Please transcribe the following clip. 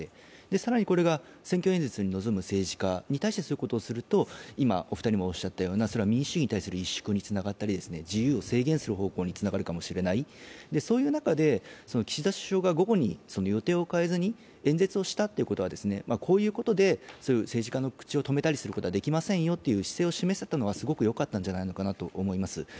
更にこれが選挙演説に臨む政治家に対してそういうことをすると民主主義に対する萎縮になったり自由を制限する方向につながるかもしれない、そういう中で岸田首相が午後に予定を変えずに演説をしたことはこういうことで政治家の口を止めたりすることはできませんよという姿勢を示せたのは非常によかったんじゃないかなと思います。